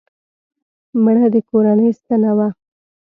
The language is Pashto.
مړه د کورنۍ ستنه وه